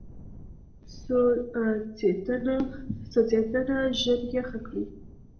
سوځېدنه ژر یخه کړئ.